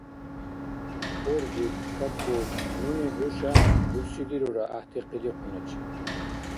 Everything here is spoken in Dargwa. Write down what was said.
Коржик, Компот нуни хӀуша бурсидирура гӀяхӀти къиликъуначи.